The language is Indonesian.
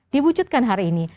dibucutkan hari ini